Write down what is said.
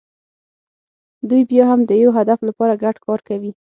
دوی بیا هم د یوه هدف لپاره ګډ کار کوي.